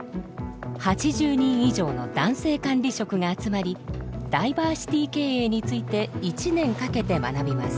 ８０人以上の男性管理職が集まりダイバーシティー経営について１年かけて学びます。